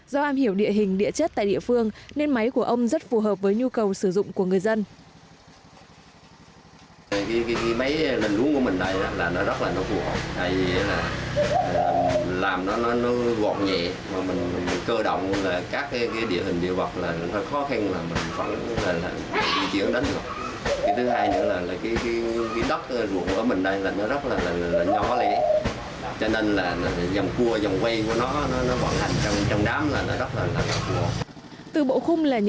do am hiểu địa hình địa chất tại địa phương nên máy của ông rất phù hợp với nhu cầu sử dụng của người dân